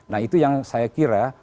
nah itu yang saya kira